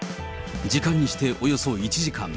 時間にしておよそ１時間。